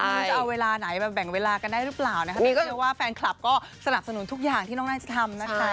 ไม่รู้จะเอาเวลาไหนมาแบ่งเวลากันได้หรือเปล่านะคะพี่ก็เชื่อว่าแฟนคลับก็สนับสนุนทุกอย่างที่น้องน่าจะทำนะคะ